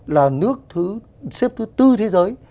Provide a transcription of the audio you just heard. là nước xếp thứ bốn thế giới